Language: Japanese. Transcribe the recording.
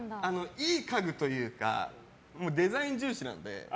いい家具というかデザイン重視なんで。